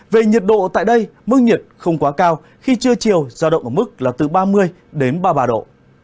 về nhiệt độ tại đây mức nhiệt không quá cao khi trưa chiều giao động ở mức là từ ba mươi đến ba mươi ba độ